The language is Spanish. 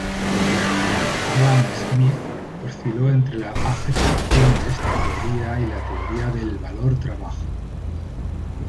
Adam Smith osciló entre la aceptación de esta teoría y la teoría del valor-trabajo.